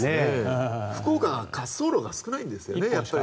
福岡は滑走路が少ないんですね